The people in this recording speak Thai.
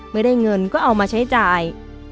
ไม่ได้เงินก็เอามาใช้จ่าย